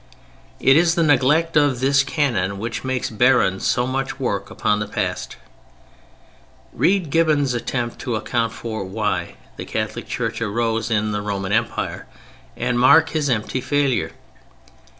It is the neglect of this canon which makes barren so much work upon the past. Read Gibbon's attempt to account for "why" the Catholic Church arose in the Roman Empire, and mark his empty failure.